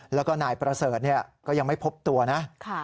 แล้วก็นายประเสริฐก็ยังไม่พบตัวนะ